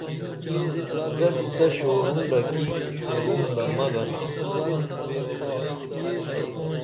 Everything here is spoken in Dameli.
ددی تہ شورونڈہ کی شورونڈہ مہ گنا